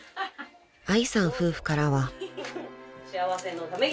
［愛さん夫婦からは］